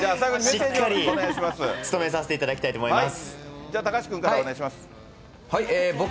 しっかり務めさせていただきたいと思います。